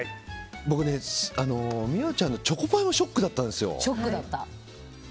僕ね、美桜ちゃんのチョコパイがショックだったんですよ。